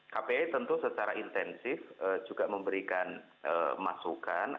kpi tentu secara intensif juga memberikan masukan